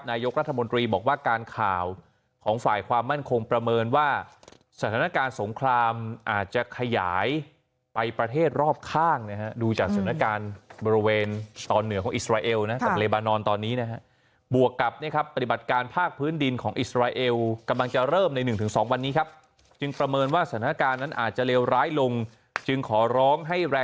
นายกรัฐมนตรีบอกว่าการข่าวของฝ่ายความมั่นคงประเมินว่าสถานการณ์สงครามอาจจะขยายไปประเทศรอบข้างนะฮะดูจากสถานการณ์บริเวณตอนเหนือของอิสราเอลนะกับเลบานอนตอนนี้นะฮะบวกกับเนี่ยครับปฏิบัติการภาคพื้นดินของอิสราเอลกำลังจะเริ่มใน๑๒วันนี้ครับจึงประเมินว่าสถานการณ์นั้นอาจจะเลวร้ายลงจึงขอร้องให้แ